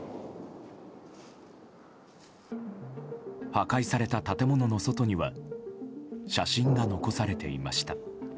破壊された建物の外には写真が残されていました。